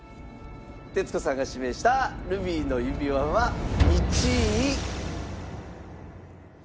徹子さんが指名した『ルビーの指環』は１位。